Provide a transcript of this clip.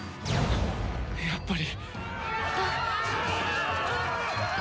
やっぱり！